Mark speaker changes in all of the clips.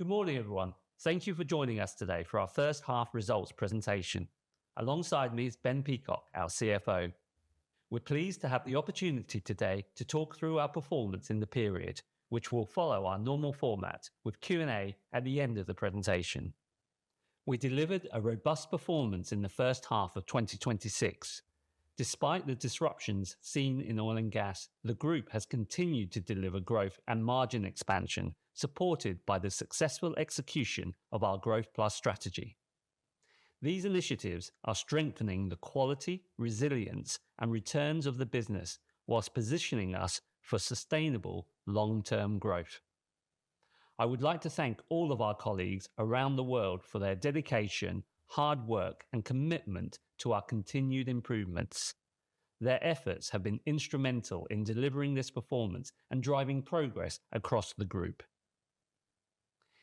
Speaker 1: Good morning, everyone. Thank you for joining us today for our first half results presentation. Alongside me is Ben Peacock, our CFO. We're pleased to have the opportunity today to talk through our performance in the period, which will follow our normal format with Q&A at the end of the presentation. We delivered a robust performance in the first half of 2026. Despite the disruptions seen in oil and gas, the group has continued to deliver growth and margin expansion, supported by the successful execution of our Growth+ strategy. These initiatives are strengthening the quality, resilience, and returns of the business, whilst positioning us for sustainable long-term growth. I would like to thank all of our colleagues around the world for their dedication, hard work, and commitment to our continued improvements. Their efforts have been instrumental in delivering this performance and driving progress across the group.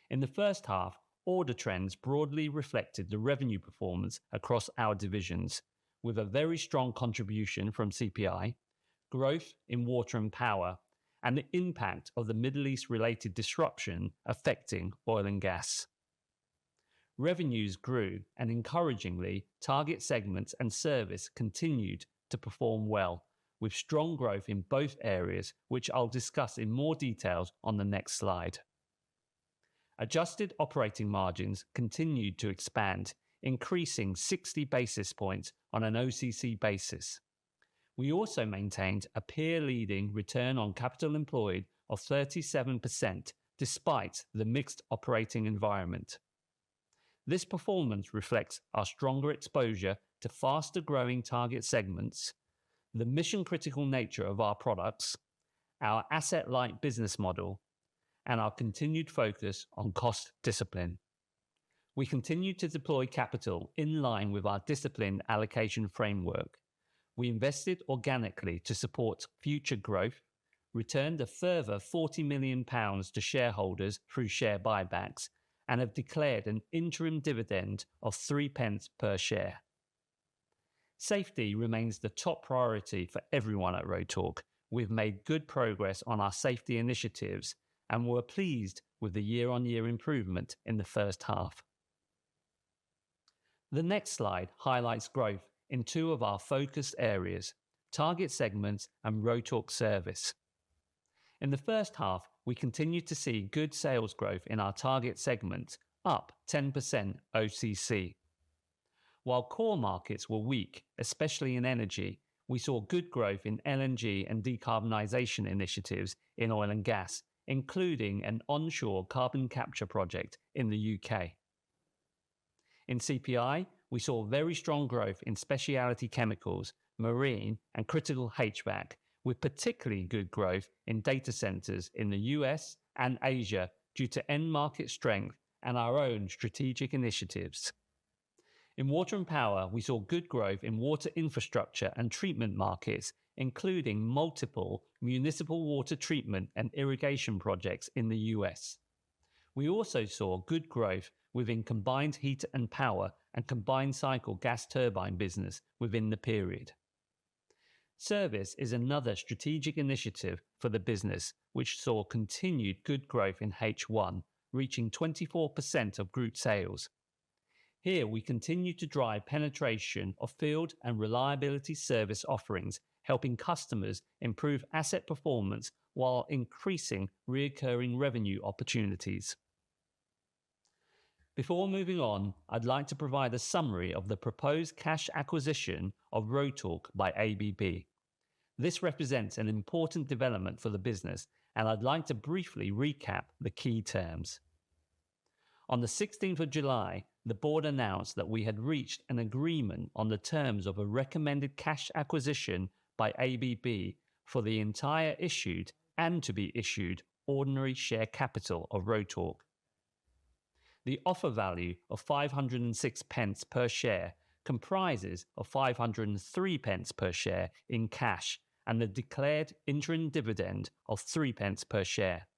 Speaker 1: In the first half, order trends broadly reflected the revenue performance across our divisions, with a very strong contribution from CPI, growth in water and power, and the impact of the Middle East-related disruption affecting oil and gas. Encouragingly, target segments and service continued to perform well, with strong growth in both areas, which I'll discuss in more detail on the next slide. Adjusted operating margins continued to expand, increasing 60 basis points on an OCC basis. We also maintained a peer-leading return on capital employed of 37%, despite the mixed operating environment. This performance reflects our stronger exposure to faster-growing target segments, the mission-critical nature of our products, our asset-light business model, and our continued focus on cost discipline. We continue to deploy capital in line with our disciplined allocation framework. We invested organically to support future growth, returned a further 40 million pounds to shareholders through share buybacks, and have declared an interim dividend of 0.03 per share. Safety remains the top priority for everyone at Rotork. We've made good progress on our safety initiatives, and we're pleased with the year-on-year improvement in the first half. The next slide highlights growth in two of our focus areas: target segments and Rotork Service. In the first half, we continued to see good sales growth in our target segment, up 10% OCC. While core markets were weak, especially in energy, we saw good growth in LNG and decarbonization initiatives in oil and gas, including an onshore carbon capture project in the U.K. In CPI, we saw very strong growth in specialty chemicals, marine, and critical HVAC, with particularly good growth in data centers in the U.S. and Asia due to end market strength and our own strategic initiatives. In water and power, we saw good growth in water infrastructure and treatment markets, including multiple municipal water treatment and irrigation projects in the U.S. We also saw good growth within combined heat and power and combined cycle gas turbine business within the period. Service is another strategic initiative for the business, which saw continued good growth in H1, reaching 24% of group sales. Here, we continue to drive penetration of field and reliability service offerings, helping customers improve asset performance while increasing reoccurring revenue opportunities. Before moving on, I'd like to provide a summary of the proposed cash acquisition of Rotork by ABB. This represents an important development for the business. I'd like to briefly recap the key terms. On the 16th of July, the board announced that we had reached an agreement on the terms of a recommended cash acquisition by ABB for the entire issued and to be issued ordinary share capital of Rotork. The offer value of 5.06 per share comprises of 5.03 per share in cash and the declared interim dividend of 0.03 per share.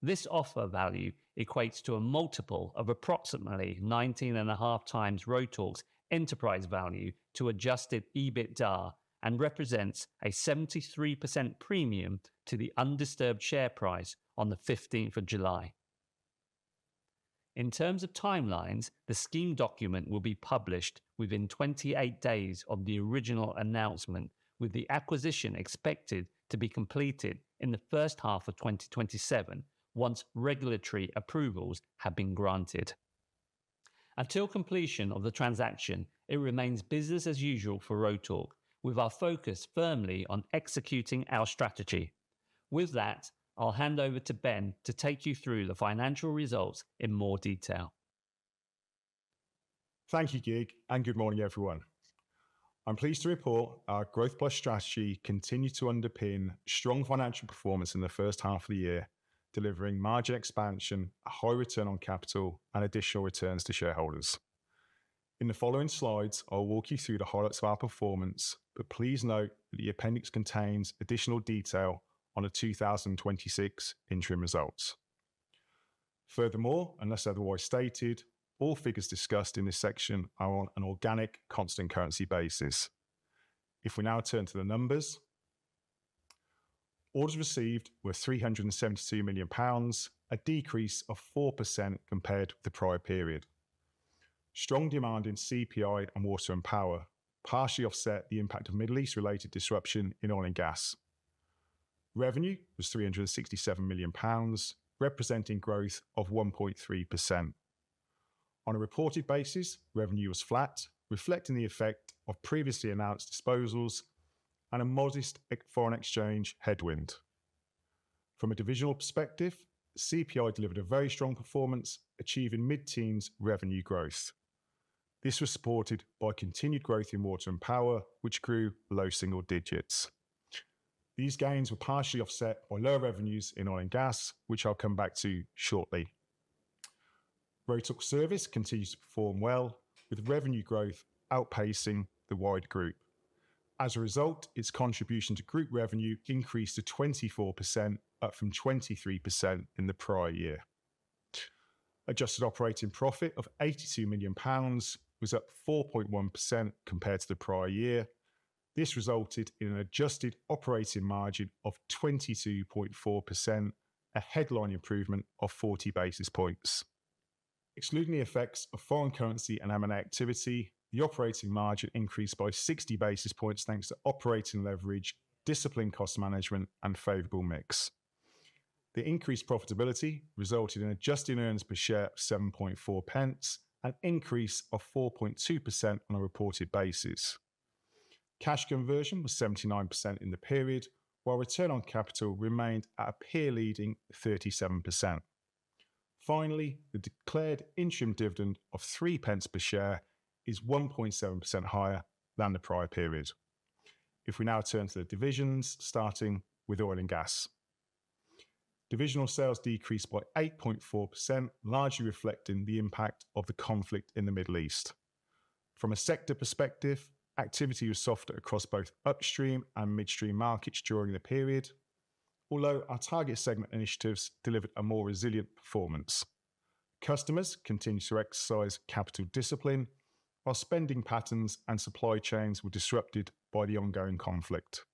Speaker 1: This offer value equates to a multiple of approximately 19.5x Rotork's enterprise value to adjusted EBITDA and represents a 73% premium to the undisturbed share price on the 15th of July. In terms of timelines, the scheme document will be published within 28 days of the original announcement, with the acquisition expected to be completed in the first half of 2027 once regulatory approvals have been granted. Until completion of the transaction, it remains business as usual for Rotork, with our focus firmly on executing our strategy. With that, I'll hand over to Ben to take you through the financial results in more detail.
Speaker 2: Thank you, Kiet. Good morning, everyone. I'm pleased to report our Growth+ strategy continued to underpin strong financial performance in the first half of the year, delivering margin expansion, a high return on capital, and additional returns to shareholders. In the following slides, I'll walk you through the highlights of our performance, but please note that the appendix contains additional detail on the 2026 interim results. Furthermore, unless otherwise stated, all figures discussed in this section are on an organic constant currency basis. If we now turn to the numbers, Orders received were 372 million pounds, a decrease of 4% compared with the prior period. Strong demand in CPI and water and power partially offset the impact of Middle East-related disruption in oil and gas. Revenue was 367 million pounds, representing growth of 1.3%. On a reported basis, revenue was flat, reflecting the effect of previously announced disposals and a modest foreign exchange headwind. From a divisional perspective, CPI delivered a very strong performance, achieving mid-teens revenue growth. This was supported by continued growth in water and power, which grew low single digits. These gains were partially offset by lower revenues in oil and gas, which I'll come back to shortly. Rotork Service continues to perform well, with revenue growth outpacing the wide group. As a result, its contribution to group revenue increased to 24%, up from 23% in the prior year. Adjusted operating profit of 82 million pounds was up 4.1% compared to the prior year. This resulted in an adjusted operating margin of 22.4%, a headline improvement of 40 basis points. Excluding the effects of foreign currency and M&A activity, the operating margin increased by 60 basis points, thanks to operating leverage, disciplined cost management, and favorable mix. The increased profitability resulted in adjusted earnings per share of 0.074, an increase of 4.2% on a reported basis. Cash conversion was 79% in the period, while return on capital remained at a peer-leading 37%. Finally, the declared interim dividend of 0.03 per share is 1.7% higher than the prior period. We now turn to the divisions, starting with oil and gas. Divisional sales decreased by 8.4%, largely reflecting the impact of the conflict in the Middle East. From a sector perspective, activity was softer across both upstream and midstream markets during the period. Although our target segment initiatives delivered a more resilient performance. Customers continued to exercise capital discipline, while spending patterns and supply chains were disrupted by the ongoing conflict.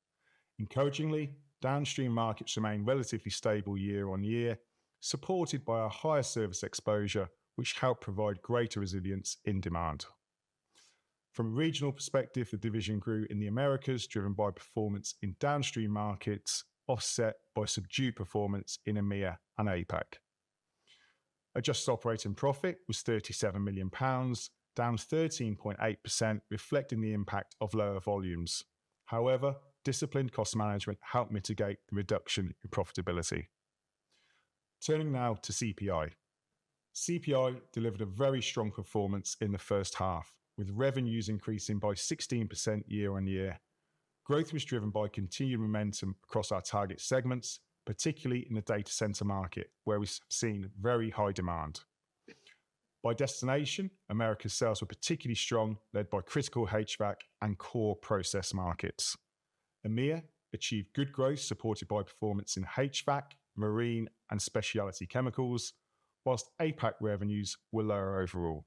Speaker 2: Encouragingly, downstream markets remained relatively stable year-on-year, supported by our higher Rotork Service exposure, which helped provide greater resilience in demand. From a regional perspective, the division grew in the Americas, driven by performance in downstream markets, offset by subdued performance in EMEA and APAC. Adjusted operating profit was 37 million pounds, down 13.8%, reflecting the impact of lower volumes. Disciplined cost management helped mitigate the reduction in profitability. Turning now to CPI. CPI delivered a very strong performance in the first half, with revenues increasing by 16% year-on-year. Growth was driven by continued momentum across our target segments, particularly in the data center market, where we've seen very high demand. By destination, Americas sales were particularly strong, led by critical HVAC and core process markets. EMEA achieved good growth supported by performance in HVAC, marine, and specialty chemicals, whilst APAC revenues were lower overall.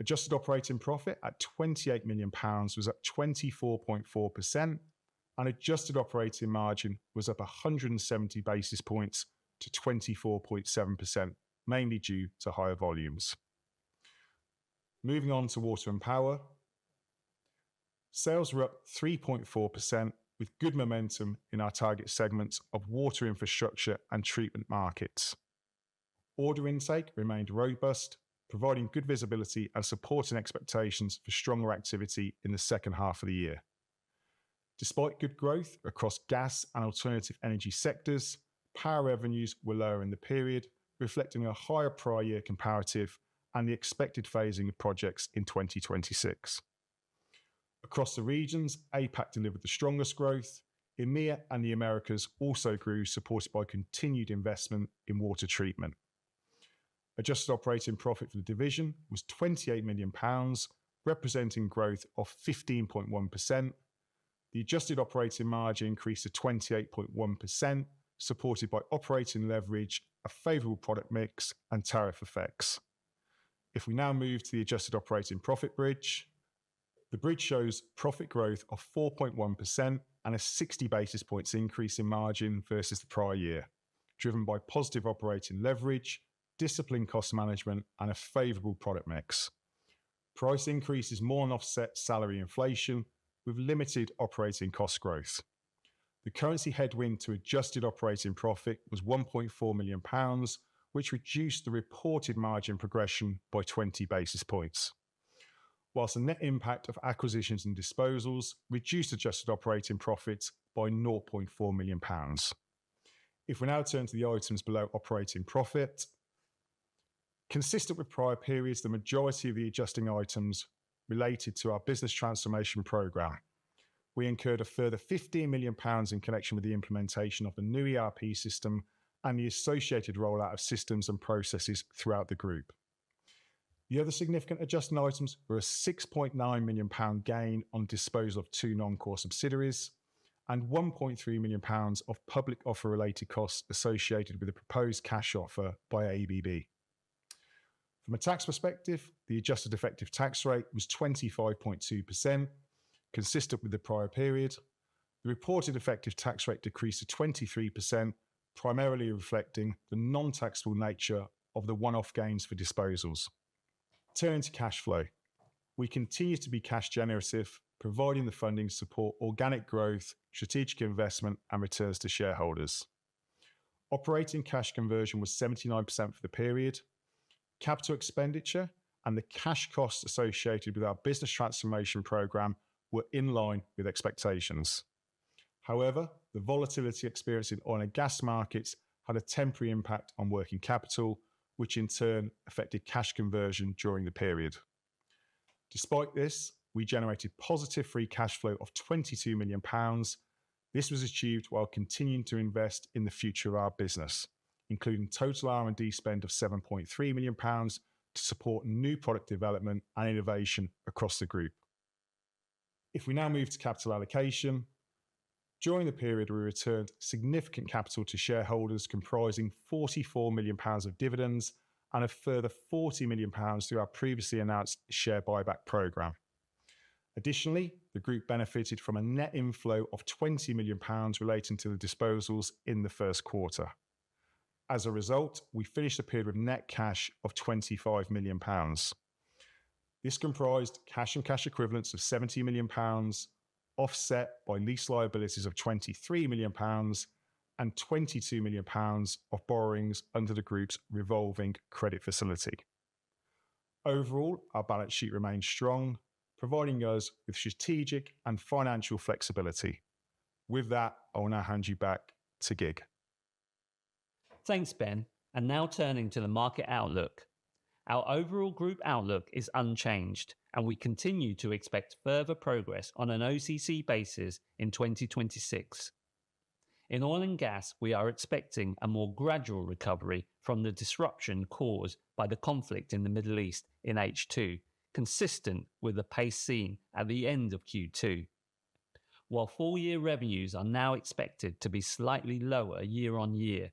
Speaker 2: Adjusted operating profit at 28 million pounds was up 24.4%, and adjusted operating margin was up 170 basis points to 24.7%, mainly due to higher volumes. Moving on to water and power. Sales were up 3.4% with good momentum in our target segments of water infrastructure and treatment markets. Order intake remained robust, providing good visibility and supporting expectations for stronger activity in the second half of the year. Despite good growth across gas and alternative energy sectors, power revenues were lower in the period, reflecting a higher prior year comparative and the expected phasing of projects in 2026. Across the regions, APAC delivered the strongest growth. EMEA and the Americas also grew, supported by continued investment in water treatment. Adjusted operating profit for the division was 28 million pounds, representing growth of 15.1%. The adjusted operating margin increased to 28.1%, supported by operating leverage, a favorable product mix, and tariff effects. We now move to the adjusted operating profit bridge. The bridge shows profit growth of 4.1% and a 60 basis points increase in margin versus the prior year, driven by positive operating leverage, disciplined cost management, and a favorable product mix. Price increases more than offset salary inflation with limited operating cost growth. The currency headwind to adjusted operating profit was 1.4 million pounds, which reduced the reported margin progression by 20 basis points. The net impact of acquisitions and disposals reduced adjusted operating profits by 0.4 million pounds. We now turn to the items below operating profit. Consistent with prior periods, the majority of the adjusting items related to our business transformation program. We incurred a further 15 million pounds in connection with the implementation of the new ERP system and the associated rollout of systems and processes throughout the group. The other significant adjusting items were a 6.9 million pound gain on disposal of two non-core subsidiaries and 1.3 million pounds of public offer-related costs associated with the proposed cash offer by ABB. From a tax perspective, the adjusted effective tax rate was 25.2%, consistent with the prior period. The reported effective tax rate decreased to 23%, primarily reflecting the non-taxable nature of the one-off gains for disposals. Turning to cash flow, we continue to be cash generative, providing the funding support organic growth, strategic investment and returns to shareholders. Operating cash conversion was 79% for the period. Capital expenditure and the cash costs associated with our business transformation program were in line with expectations. However, the volatility experienced in oil and gas markets had a temporary impact on working capital, which in turn affected cash conversion during the period. Despite this, we generated positive free cash flow of 22 million pounds. This was achieved while continuing to invest in the future of our business, including total R&D spend of 7.3 million pounds to support new product development and innovation across the group. If we now move to capital allocation, during the period, we returned significant capital to shareholders comprising 44 million pounds of dividends and a further 40 million pounds through our previously announced share buyback program. Additionally, the group benefited from a net inflow of 20 million pounds relating to the disposals in the first quarter. As a result, we finished the period with net cash of 25 million pounds. This comprised cash and cash equivalents of 17 million pounds, offset by lease liabilities of 23 million pounds and 22 million pounds of borrowings under the group's revolving credit facility. Overall, our balance sheet remains strong, providing us with strategic and financial flexibility. With that, I will now hand you back to Kiet.
Speaker 1: Thanks, Ben. Now turning to the market outlook. Our overall group outlook is unchanged, and we continue to expect further progress on an OCC basis in 2026. In oil and gas, we are expecting a more gradual recovery from the disruption caused by the conflict in the Middle East in H2, consistent with the pace seen at the end of Q2. While full-year revenues are now expected to be slightly lower year-on-year,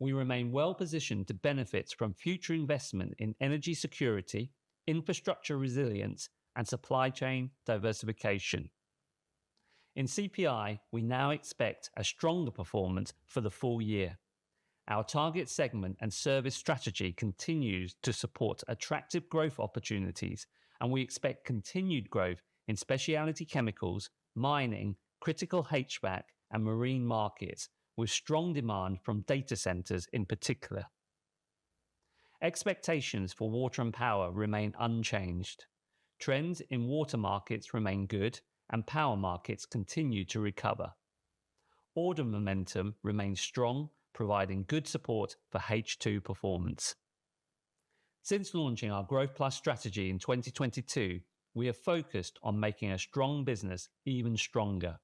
Speaker 1: we remain well-positioned to benefit from future investment in energy security, infrastructure resilience and supply chain diversification. In CPI, we now expect a stronger performance for the full year. Our target segment and service strategy continues to support attractive growth opportunities, and we expect continued growth in specialty chemicals, mining, critical HVAC, and marine markets, with strong demand from data centers in particular. Expectations for water and power remain unchanged. Trends in water markets remain good. Power markets continue to recover. Order momentum remains strong, providing good support for H2 performance. Since launching our Growth+ strategy in 2022, we are focused on making a strong business even stronger.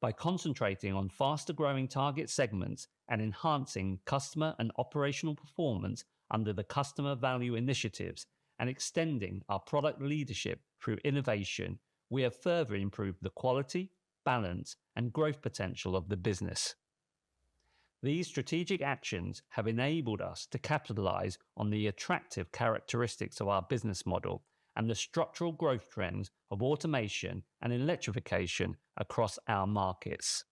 Speaker 1: By concentrating on faster-growing target segments and enhancing customer and operational performance under the customer value initiatives and extending our product leadership through innovation, we have further improved the quality, balance, and growth potential of the business. These strategic actions have enabled us to capitalize on the attractive characteristics of our business model and the structural growth trends of automation and electrification across our markets.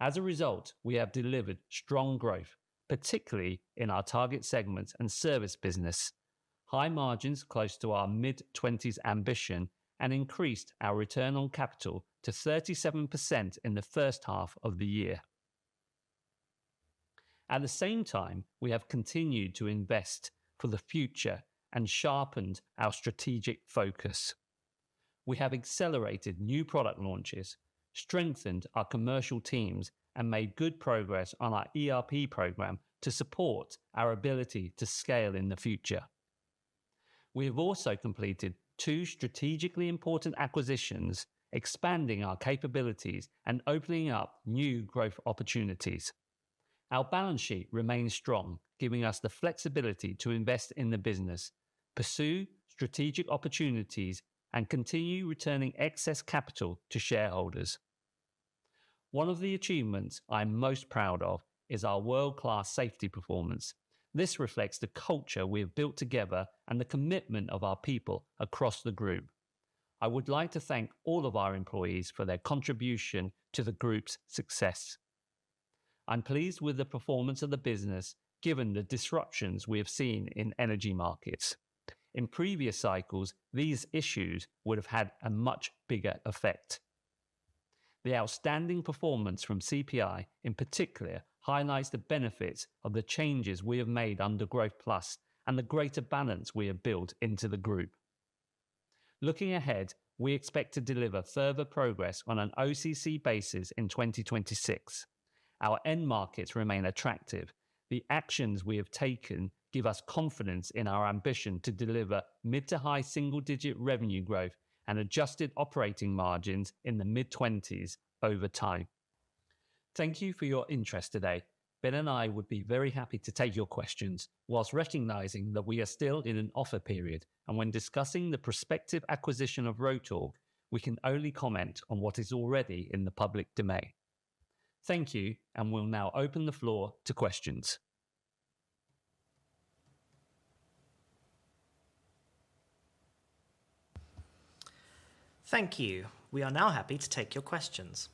Speaker 1: As a result, we have delivered strong growth, particularly in our target segments and service business, high margins close to our mid-20s ambition, and increased our return on capital to 37% in the first half of the year. At the same time, we have continued to invest for the future and sharpened our strategic focus. We have accelerated new product launches, strengthened our commercial teams, and made good progress on our ERP program to support our ability to scale in the future. We have also completed two strategically important acquisitions, expanding our capabilities and opening up new growth opportunities. Our balance sheet remains strong, giving us the flexibility to invest in the business, pursue strategic opportunities, and continue returning excess capital to shareholders. One of the achievements I'm most proud of is our world-class safety performance. This reflects the culture we have built together and the commitment of our people across the group. I would like to thank all of our employees for their contribution to the group's success. I'm pleased with the performance of the business, given the disruptions we have seen in energy markets. In previous cycles, these issues would have had a much bigger effect. The outstanding performance from CPI, in particular, highlights the benefits of the changes we have made under Growth+ and the greater balance we have built into the group. Looking ahead, we expect to deliver further progress on an OCC basis in 2026. Our end markets remain attractive. The actions we have taken give us confidence in our ambition to deliver mid to high single-digit revenue growth and adjusted operating margins in the mid-20s over time. Thank you for your interest today. Ben and I would be very happy to take your questions whilst recognizing that we are still in an offer period. When discussing the prospective acquisition of Rotork, we can only comment on what is already in the public domain. Thank you. We'll now open the floor to questions.
Speaker 3: Thank you. We are now happy to take your questions.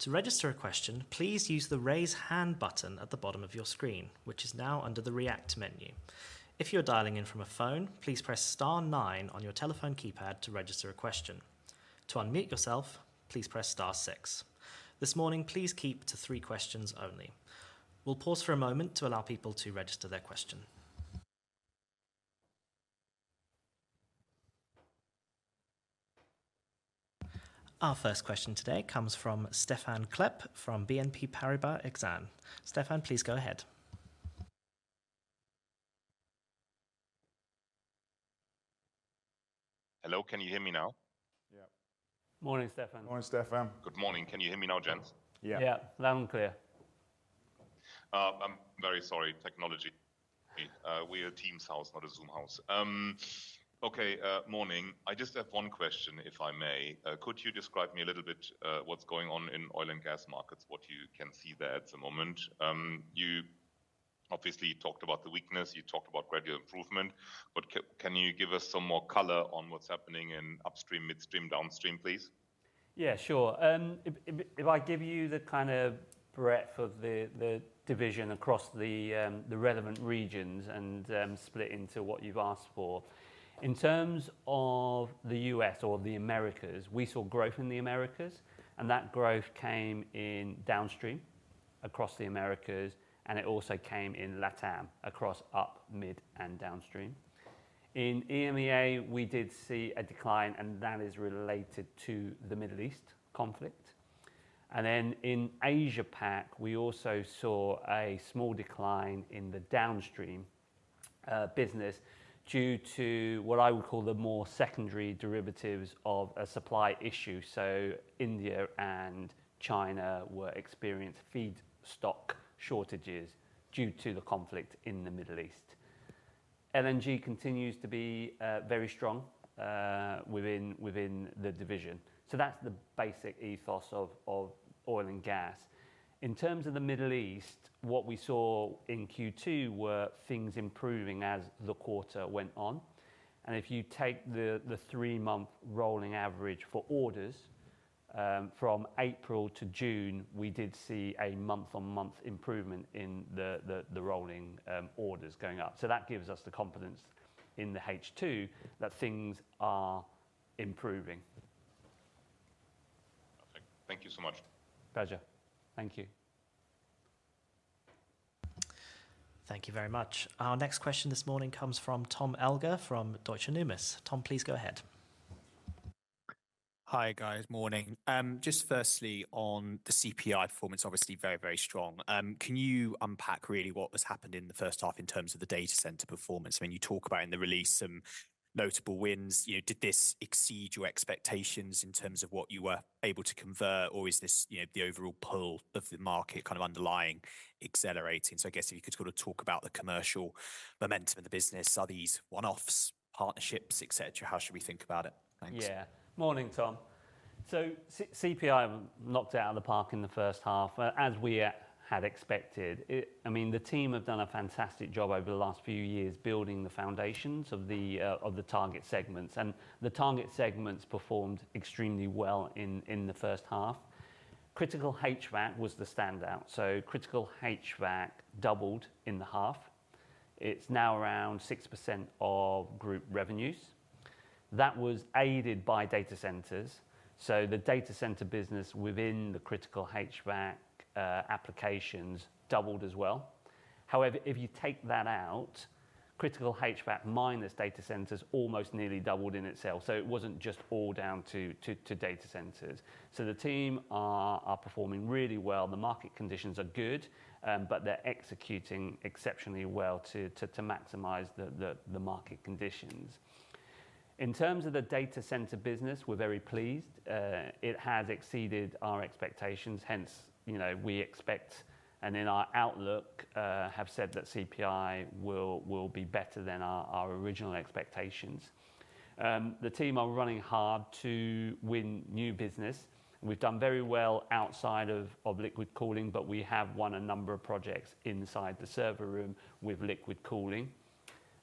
Speaker 3: To register a question, please use the Raise Hand button at the bottom of your screen, which is now under the React menu. If you're dialing in from a phone, please press star nine on your telephone keypad to register a question. To unmute yourself, please press star six. This morning, please keep to three questions only. We'll pause for a moment to allow people to register their question. Our first question today comes from Stephan Klepp from BNP Paribas Exane. Stephan, please go ahead.
Speaker 4: Hello, can you hear me now?
Speaker 3: Yeah.
Speaker 1: Morning, Stephan.
Speaker 2: Morning, Stephan.
Speaker 4: Good morning. Can you hear me now, gents?
Speaker 2: Yeah.
Speaker 1: Yeah. Loud and clear.
Speaker 4: I'm very sorry. Technology. We're a Teams house, not a Zoom house. Okay, morning. I just have one question, if I may. Could you describe me a little bit what's going on in oil and gas markets, what you can see there at the moment? You obviously talked about the weakness, you talked about gradual improvement. Can you give us some more color on what's happening in upstream, midstream, downstream, please?
Speaker 1: Yeah, sure. If I give you the breadth of the division across the relevant regions and split into what you've asked for. In terms of the U.S. or the Americas, we saw growth in the Americas, and that growth came in downstream across the Americas, and it also came in LATAM across up, mid, and downstream. In EMEA, we did see a decline, and that is related to the Middle East conflict. In Asia Pac, we also saw a small decline in the downstream business due to what I would call the more secondary derivatives of a supply issue. India and China experienced feedstock shortages due to the conflict in the Middle East. LNG continues to be very strong within the division. That's the basic ethos of oil and gas. In terms of the Middle East, what we saw in Q2 were things improving as the quarter went on. If you take the three-month rolling average for orders, from April to June, we did see a month-on-month improvement in the rolling orders going up. That gives us the confidence in the H2 that things are improving.
Speaker 4: Perfect. Thank you so much.
Speaker 1: Pleasure. Thank you.
Speaker 3: Thank you very much. Our next question this morning comes from Tom Elgar from Deutsche Numis. Tom, please go ahead.
Speaker 5: Hi, guys. Morning. Just firstly, on the CPI performance, obviously very, very strong. Can you unpack really what has happened in the first half in terms of the data center performance? I mean, you talk about in the release some notable wins. Did this exceed your expectations in terms of what you were able to convert, or is this the overall pull of the market underlying accelerating? I guess if you could talk about the commercial momentum in the business. Are these one-offs, partnerships, et cetera? How should we think about it? Thanks.
Speaker 1: Yeah. Morning, Tom. CPI knocked it out of the park in the first half, as we had expected. The team have done a fantastic job over the last few years building the foundations of the target segments. The target segments performed extremely well in the first half. Critical HVAC was the standout. Critical HVAC doubled in the half. It's now around 6% of group revenues. That was aided by data centers. The data center business within the critical HVAC applications doubled as well. However, if you take that out, critical HVAC minus data centers almost nearly doubled in itself. It wasn't just all down to data centers. The team are performing really well. The market conditions are good, but they're executing exceptionally well to maximize the market conditions. In terms of the data center business, we're very pleased. It has exceeded our expectations, hence, we expect, and in our outlook, have said that CPI will be better than our original expectations. The team are running hard to win new business. We've done very well outside of liquid cooling, but we have won a number of projects inside the server room with liquid cooling.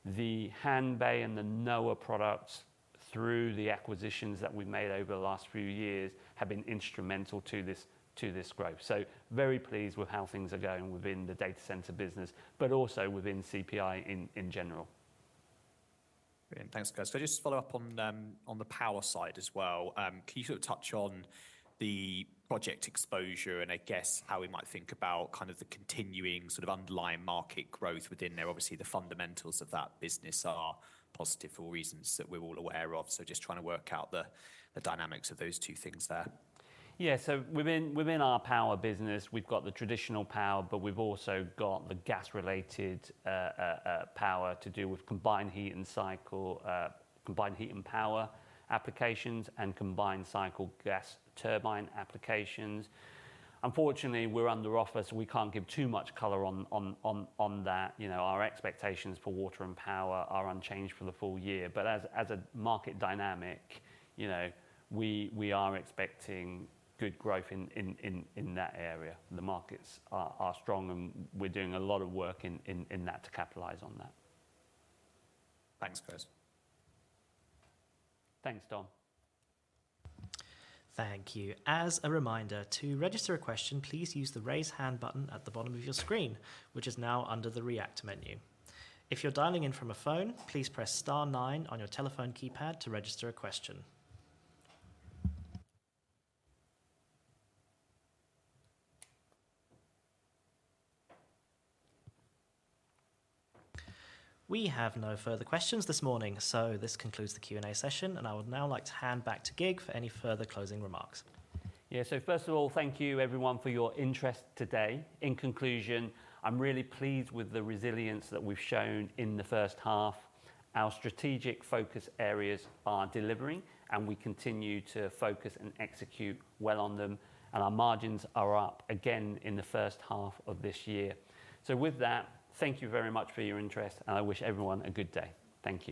Speaker 1: The Hanbay and the Noah products, through the acquisitions that we've made over the last few years, have been instrumental to this growth. Very pleased with how things are going within the data center business, but also within CPI in general.
Speaker 5: Brilliant. Thanks, guys. Just to follow up on the power side as well. Can you touch on the project exposure and, I guess, how we might think about the continuing underlying market growth within there? Obviously, the fundamentals of that business are positive for reasons that we're all aware of. Just trying to work out the dynamics of those two things there.
Speaker 1: Yeah. Within our power business, we've got the traditional power, but we've also got the gas-related power to do with combined heat and cycle, combined heat and power applications, and combined cycle gas turbine applications. Unfortunately, we're under offer, so we can't give too much color on that. Our expectations for water and power are unchanged for the full year. As a market dynamic, we are expecting good growth in that area. The markets are strong, and we're doing a lot of work in that to capitalize on that.
Speaker 5: Thanks, guys.
Speaker 1: Thanks, Tom.
Speaker 3: Thank you. As a reminder, to register a question, please use the Raise hand button at the bottom of your screen, which is now under the React menu. If you're dialing in from a phone, please press star nine on your telephone keypad to register a question. We have no further questions this morning, this concludes the Q&A session. I would now like to hand back to Kiet for any further closing remarks.
Speaker 1: Yeah. First of all, thank you everyone for your interest today. In conclusion, I'm really pleased with the resilience that we've shown in the first half. Our strategic focus areas are delivering, and we continue to focus and execute well on them. Our margins are up again in the first half of this year. With that, thank you very much for your interest, and I wish everyone a good day. Thank you.